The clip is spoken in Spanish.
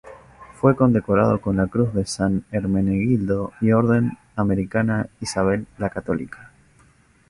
Fue condecorado con la Cruz de San Hermenegildo y Orden Americana Isabel La Católica.